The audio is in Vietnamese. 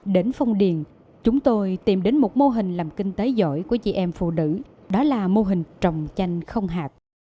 đến phong điền chúng tôi tìm đến một mô hình làm kinh tế giỏi của chị em phụ nữ đó là mô hình trồng chanh không hạt